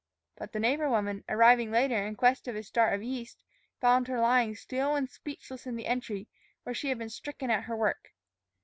But the neighbor woman, arriving later in quest of a start of yeast, found her lying still and speechless in the entry, where she had been stricken at her work.